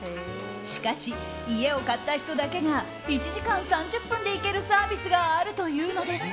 しかし、家を買った人だけが１時間３０分で行けるサービスがあるというのです。